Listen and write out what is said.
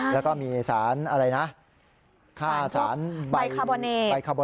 แล้วก็มีค่าสารไบคาร์โบเนตอยู่นะครับ